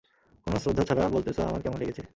কোনো শ্রদ্ধা ছাড়া বলতেছ আমার কেমন লেগেছে।